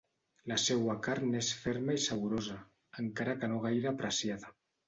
La seua carn és ferma i saborosa, encara que no gaire apreciada.